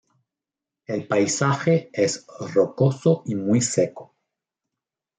El paisaje es rocoso y muy seco.